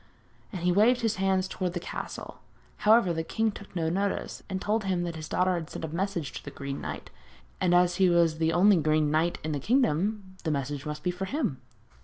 And he waved his hand towards the castle. However, the king took no notice, and told him that his daughter had sent a message to the Green Knight, and as he was the only Green Knight in the kingdom this message must be for him.